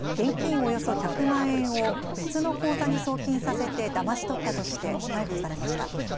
およそ１００万円を別の口座に送金させてだまし取ったとして逮捕されました。